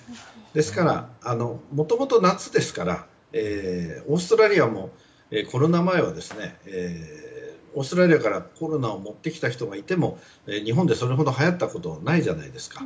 ですから、もともと夏ですからコロナ前、オーストラリアからコロナを持ってきた人がいても日本でそれほど、はやったことはないじゃないですか。